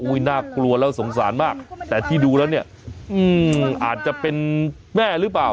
น่ากลัวแล้วสงสารมากแต่ที่ดูแล้วเนี่ยอาจจะเป็นแม่หรือเปล่า